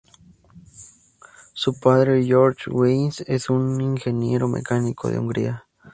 Su padre, George Weisz, es un ingeniero mecánico de Hungría.